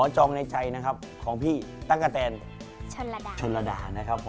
ชนระดานะครับผมชนระดา